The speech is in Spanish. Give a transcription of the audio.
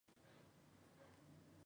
Posteriormente regresó a España.